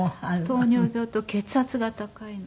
糖尿病と血圧が高いので。